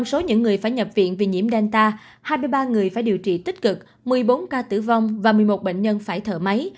một mươi số những người phải nhập viện vì nhiễm delta hai mươi ba người phải điều trị tích cực một mươi bốn ca tử vong và một mươi một bệnh nhân phải thở máy